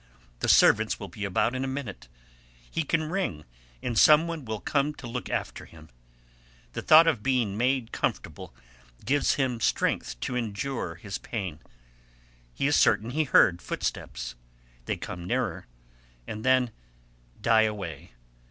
The servants will be about in a minute: he can ring, and some one will come to look after him. The thought of being made comfortable gives him strength to endure his pain. He is certain he heard footsteps: they come nearer, and then die away.